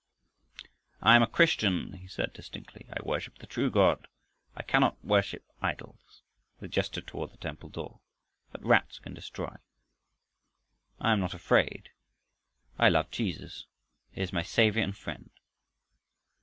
"I am a Christian!" he said distinctly. "I worship the true God. I cannot worship idols," with a gesture toward the temple door, "that rats can destroy. I am not afraid. I love Jesus. He is my Savior and Friend."